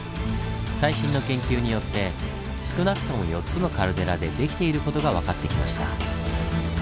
最新の研究によって少なくとも４つのカルデラでできている事が分かってきました。